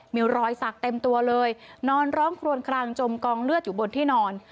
มีรอยสักเต็มตัวเลยนอนร้องครวนคลางจมกองเลือดอยู่บนที่นอน